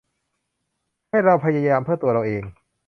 ให้เราพยายามเพื่อตัวเราเอง